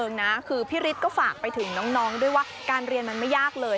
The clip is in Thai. จริงนะคือพี่ฤทธิ์ก็ฝากไปถึงน้องด้วยว่าการเรียนมันไม่ยากเลย